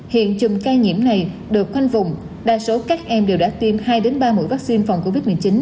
hiện chùm ca nhiễm này được khoanh vùng đa số các em đều đã tiêm hai ba mũi vaccine phòng covid một mươi chín